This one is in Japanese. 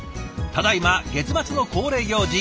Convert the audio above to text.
ただいま月末の恒例行事